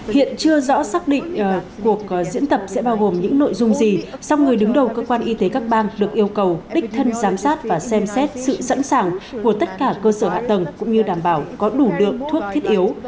hiện chưa rõ xác định cuộc diễn tập sẽ bao gồm những nội dung gì song người đứng đầu cơ quan y tế các bang được yêu cầu đích thân giám sát và xem xét sự sẵn sàng của tất cả cơ sở hạ tầng cũng như đảm bảo có đủ lượng thuốc thiết yếu